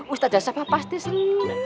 ustadz jasabah pasti senang